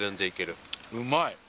うまい。